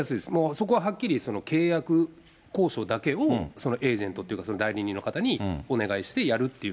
そこははっきり契約交渉だけをエージェントというか、代理人の方にお願いしてやるっていう。